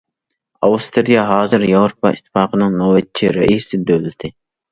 ئاۋسترىيە ھازىر ياۋروپا ئىتتىپاقىنىڭ نۆۋەتچى رەئىس دۆلىتى.